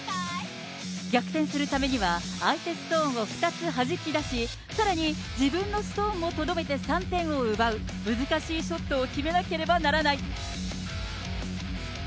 逆転するためには、相手ストーンを２つはじき出し、さらに、自分のストーンもとどめて３点を奪う、難しいショットを決めなければならない。